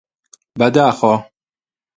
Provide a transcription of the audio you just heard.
بەداخەوە!